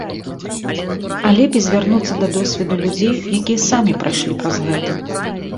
А лепей звярнуцца да досведу людзей, якія самі прайшлі праз гэта.